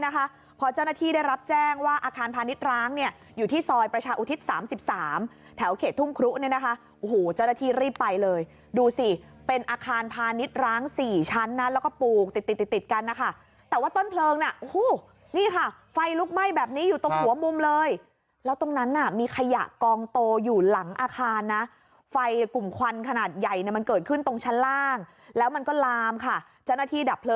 เขาบอกว่าน่าจะเป็นการจุดไฟเผาขยะในอาคารเหรอ